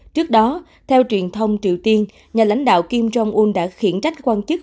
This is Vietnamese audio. trước đó theo truyền thông triều tiên nhà lãnh đạo kim jong un đã khiển trách quan chức